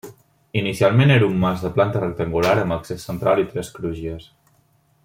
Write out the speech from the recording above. Inicialment era un mas de planta rectangular amb accés central i tres crugies.